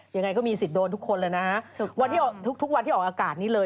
ยังไงก็มีสิทธิ์โดนทุกคนเลยนะคะทุกวันที่ออกอากาศนี่เลย